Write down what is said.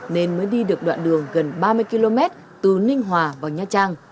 nên mới đi được đoạn đường gần ba mươi km từ ninh hòa vào nha trang